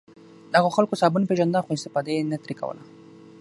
دغو خلکو صابون پېژانده خو استفاده یې نه ترې کوله.